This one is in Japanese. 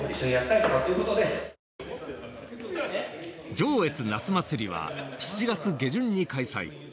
上越ナスまつりは７月下旬に開催。